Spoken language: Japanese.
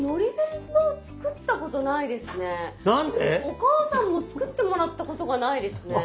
お母さんも作ってもらったことがないですね。